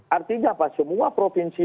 artinya apa semua provinsi